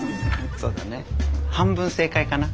そうだね半分正解かな。